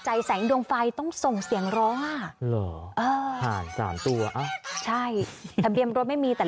ใจแสงดวงไฟต้องส่งเสียงร้อ๓ตัวถังเบียบรถไม่มีแต่